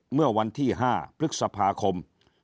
เมื่อวันที่๕พฤษภาคม